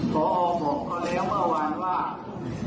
ก็ขอให้สาโบสิกรรมให้ด้วยนะครับ